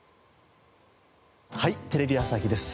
『はい！テレビ朝日です』